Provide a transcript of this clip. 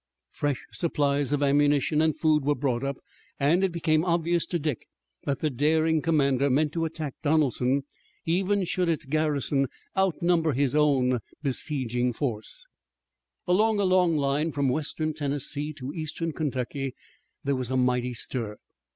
Fresh supplies of ammunition and food were brought up, and it became obvious to Dick that the daring commander meant to attack Donelson, even should its garrison outnumber his own besieging force. Along a long line from Western Tennessee to Eastern Kentucky there was a mighty stir.